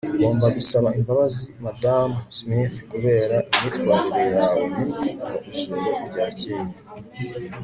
ugomba gusaba imbabazi madamu smith kubera imyitwarire yawe mibi mu ijoro ryakeye